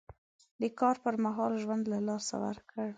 د کار پر مهال ژوند له لاسه ورکړ.